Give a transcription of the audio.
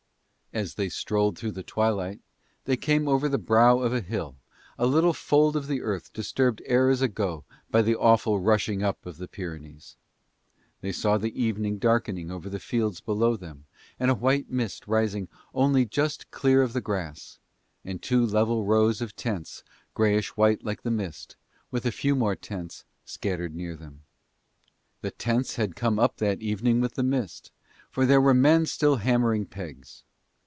As they strolled through the twilight they came over the brow of a hill, a little fold of the earth disturbed eras ago by the awful rushing up of the Pyrenees; and they saw the evening darkening over the fields below them and a white mist rising only just clear of the grass, and two level rows of tents greyish white like the mist, with a few more tents scattered near them. The tents had come up that evening with the mist, for there were men still hammering pegs.